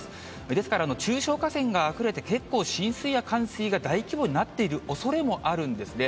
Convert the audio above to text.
ですから、中小河川があふれて結構、浸水や冠水が大規模になっているおそれもあるんですね。